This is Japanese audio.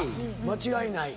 間違いない。